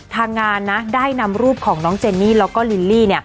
งานนะได้นำรูปของน้องเจนนี่แล้วก็ลิลลี่